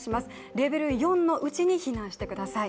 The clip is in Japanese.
レベル４のうちに避難してください。